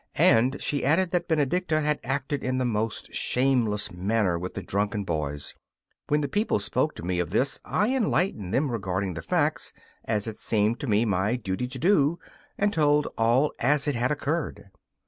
And she added that Benedicta had acted in the most shameless manner with the drunken boys. When the people spoke to me of this I enlightened them regarding the facts, as it seemed to me my duty to do, and told all as it had occurred.